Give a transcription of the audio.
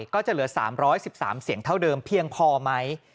ก็จะเหลือ๓๑๓เสียงเท่าเดิมเพียงพอไหม